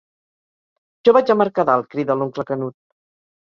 Jo vaig a Mercadal, crida l'oncle Canut.